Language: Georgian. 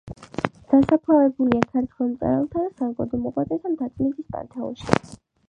დასაფლავებულია ქართველ მწერალთა და საზოგადო მოღვაწეთა მთაწმინდის პანთეონში.